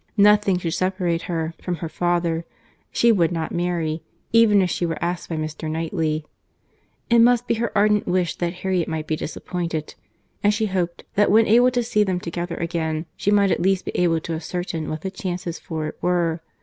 Nothing should separate her from her father. She would not marry, even if she were asked by Mr. Knightley. It must be her ardent wish that Harriet might be disappointed; and she hoped, that when able to see them together again, she might at least be able to ascertain what the chances for it were.